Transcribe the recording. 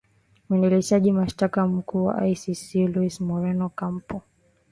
mwendesha mashtaka mkuu wa icc louis moreno ocampo